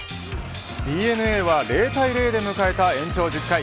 ＤｅＮＡは０対０で迎えた延長１０回。